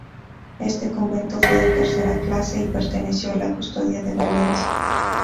Este convento fue de tercera clase y perteneció a la Custodia de Valencia.